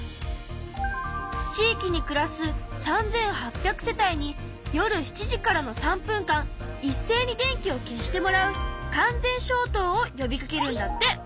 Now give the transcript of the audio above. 地域に暮らす３８００世帯に夜７時からの３分間いっせいに電気を消してもらう完全消灯を呼びかけるんだって。